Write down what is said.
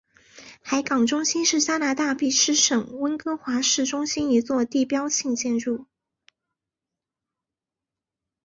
海港中心是加拿大卑诗省温哥华市中心一座地标性建筑。